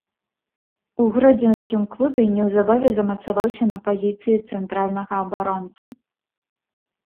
У гродзенскім клубе неўзабаве замацаваўся на пазіцыі цэнтральнага абаронцы.